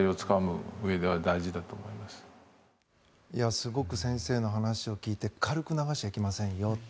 すごく先生の話を聞いて軽く流しちゃいけませんよと。